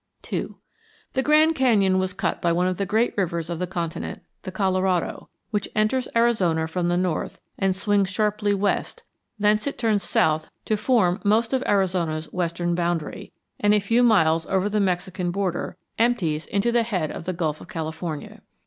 II The Grand Canyon was cut by one of the great rivers of the continent, the Colorado, which enters Arizona from the north and swings sharply west; thence it turns south to form most of Arizona's western boundary, and a few miles over the Mexican border empties into the head of the Gulf of California.